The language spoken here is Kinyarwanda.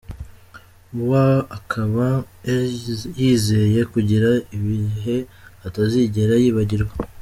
wa akaba yizeye kugira ibihe atazigera yibagirwa.